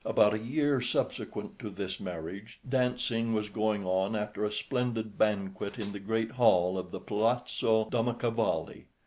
About a year subsequent to this marriage dancing was going on after a splendid banquet in the great hall of the Palazzo Domacavalli.